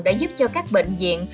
đã giúp cho các bệnh viện